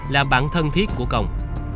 là bạn thân thiết của công